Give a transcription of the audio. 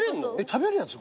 食べるやつ？